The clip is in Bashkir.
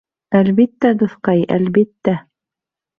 Әлбиттә, дуҫҡай, әлбиттә.